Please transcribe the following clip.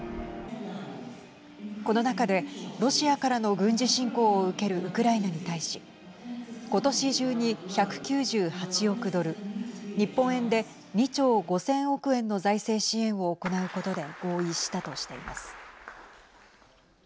この中でロシアからの軍事侵攻を受けるウクライナに対しことし中に１９８億ドル日本円で２兆５０００億円の財政支援を行うことで合意したとしています。